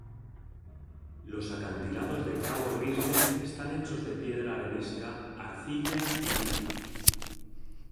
Los acantilados del cabo Gris Nez están hechos de piedra arenisca, arcilla y tiza.